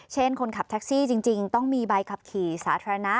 คนขับแท็กซี่จริงต้องมีใบขับขี่สาธารณะ